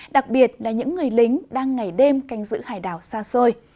đặc biệt là những người lính đang ngày đêm canh giữ hải đảo xa xôi